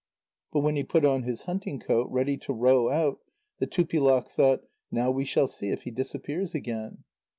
But when he put on his hunting coat ready to row out, the Tupilak thought: "Now we shall see if he disappears again."